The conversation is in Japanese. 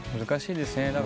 難しいですね。